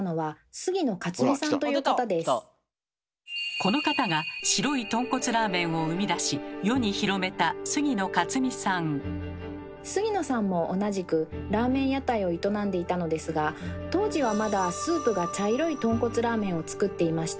この方が白いとんこつラーメンを生み出し世に広めた杉野さんも同じくラーメン屋台を営んでいたのですが当時はまだスープが茶色いとんこつラーメンを作っていました。